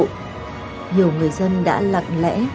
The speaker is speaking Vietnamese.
nhiều người dân đã lặng lẽ